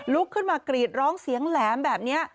ลุกขึ้นมากรีดร้องเสียงแหลมแบบนี้